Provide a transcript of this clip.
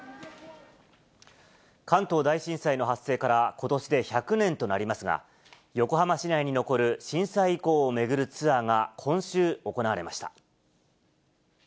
関東大震災の発生からことしで１００年となりますが、横浜市内に残る震災遺構を巡るツアーが、今週、行われました。